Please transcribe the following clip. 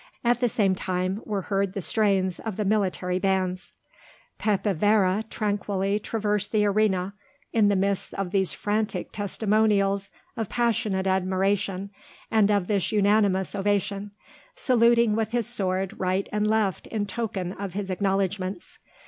At the same time were heard the strains of the military bands. Pepe Vera tranquilly traversed the arena in the midst of these frantic testimonials of passionate admiration and of this unanimous ovation, saluting with his sword right and left in token of his acknowledgments.